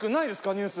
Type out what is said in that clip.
ニュース。